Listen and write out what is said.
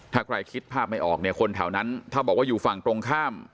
ถ้าใครคิดภาพไม่ออกเนี่ยคนแถวนั้นถ้าบอกว่าอยู่ฝั่งตรงข้าม